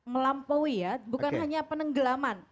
melampaui ya bukan hanya penenggelaman